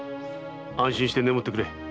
安心して眠ってくれ。